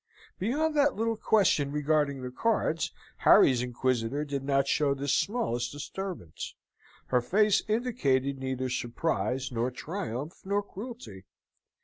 Beyond that little question regarding the cards, Harry's Inquisitor did not show the smallest disturbance. Her face indicated neither surprise, nor triumph, nor cruelty.